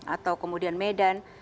atau kemudian medan